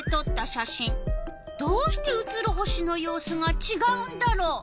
どうして写る星の様子がちがうんだろう？